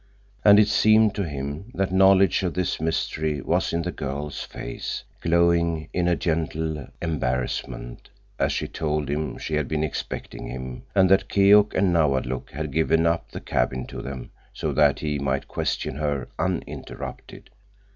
And it seemed to him that knowledge of this mystery was in the girl's face, glowing in a gentle embarrassment, as she told him she had been expecting him, and that Keok and Nawadlook had given up the cabin to them, so that he might question her uninterrupted.